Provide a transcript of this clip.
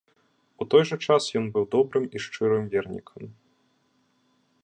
У той жа час ён быў добрым і шчырым вернікам.